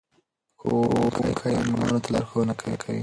ښوونکی ماشومانو ته لارښوونه کوي.